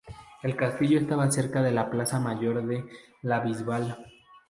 El castillo estaba cerca de la plaza mayor de La Bisbal.